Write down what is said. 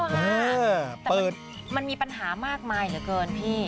อ๋อแต่มันมีปัญหามากมายเกินพี่